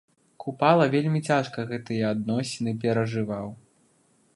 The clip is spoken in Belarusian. Купала вельмі цяжка гэтыя адносіны перажываў.